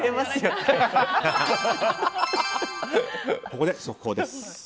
ここで速報です。